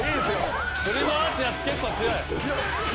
振り回すやつ結構強い。